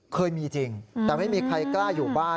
เคยมีจริงแต่ไม่มีใครกล้าอยู่บ้าน